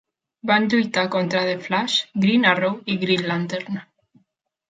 Van lluitar contra The Flash, Green Arrow i Green Lantern.